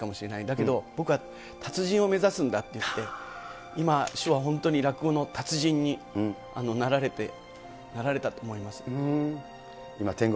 だけど僕は達人を目指すんだっていって、今、師匠は本当に落語の達人になられて、なられたと思います。